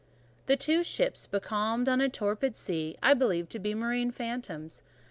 The two ships becalmed on a torpid sea, I believed to be marine phantoms.